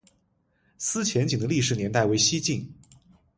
思前井的历史年代为西晋。